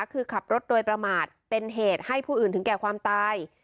คือขับรถโดยประมาทเป็นเหตุให้ผู้อื่นถึงแก่ความตาย